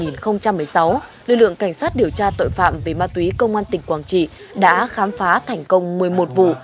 năm hai nghìn một mươi sáu lực lượng cảnh sát điều tra tội phạm về ma túy công an tỉnh quảng trị đã khám phá thành công một mươi một vụ